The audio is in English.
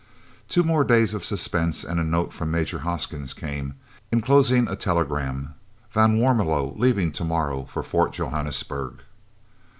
Two more days of suspense and a note from Major Hoskins came, enclosing a telegram "Van Warmelo leaving to morrow for Fort Johannesburg."